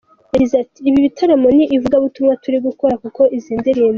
yagize ati "Ibi bitaramo ni ivugabutumwa turi gukora, kuko izi ndirimbo.